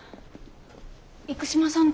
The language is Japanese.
生島さん